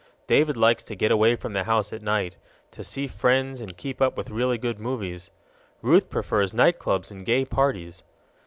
David likes to get away from the house at night to see friends, and keep up with really good movies. Ruth prefers night clubs and gay parties.